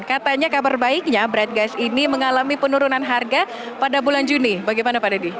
katanya kabar baiknya bright gas ini mengalami penurunan harga pada bulan juni bagaimana pak deddy